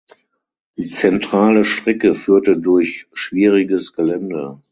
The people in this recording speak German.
Die zentrale Strecke führte durch schwieriges Gelände.